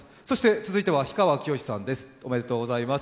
続いては氷川きよしさんです。